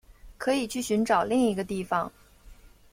可以去寻找另一个地方